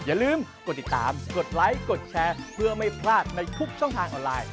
อย่าลืมกดติดตามกดไลค์กดแชร์เพื่อไม่พลาดในทุกช่องทางออนไลน์